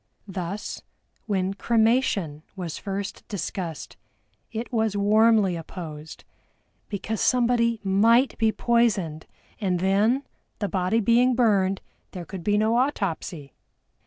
Thus, when Cremation was first discussed, it was warmly opposed, because somebody might be poisoned, and then, the body being burned, there could be no autopsy!